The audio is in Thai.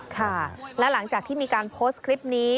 ค่ะและหลังจากที่มีการโพสต์คลิปนี้